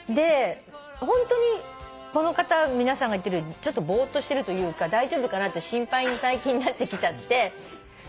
ホントにこの方皆さんが言ってるようにぼーっとしてるというか大丈夫かなって心配に最近なってきちゃって。